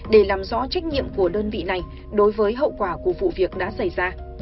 để làm rõ trách nhiệm của đơn vị này đối với hậu quả của vụ việc đã xảy ra